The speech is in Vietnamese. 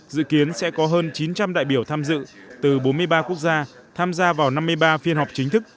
dự kiến sẽ có hơn chín trăm linh đại biểu tham dự từ bốn mươi ba quốc gia tham gia vào năm mươi ba phiên họp chính thức